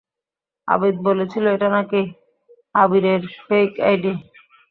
আবিদ বলছিলো এটা নাকি আবিরের ফেইক আইডি।